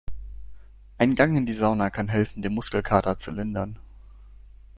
Ein Gang in die Sauna kann helfen, den Muskelkater zu lindern.